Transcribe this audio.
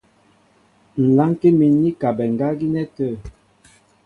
Ŋ̀ lánkí mín i kabɛ ŋgá gínɛ́ tə̂.